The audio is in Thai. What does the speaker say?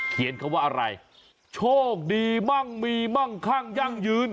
เขียนคำว่าอะไรโชคดีมั่งมีมั่งคั่งยั่งยืน